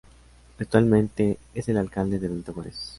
Actualmente es el Alcalde de Benito Juárez.